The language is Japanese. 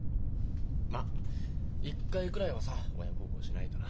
まっ一回ぐらいはさ親孝行しないとな。